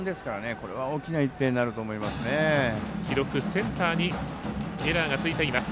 これは大きな１点になると記録センターにエラーがついています。